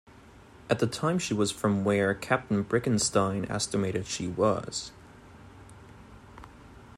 At the time she was from where Captain Brickenstein estimated she was.